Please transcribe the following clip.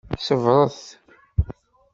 Ṣebṛet!